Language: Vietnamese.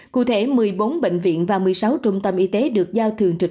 cụ thể một mươi bốn bệnh viện và một mươi sáu trung tâm y tế được giao thường trực